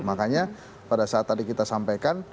makanya pada saat tadi kita sampaikan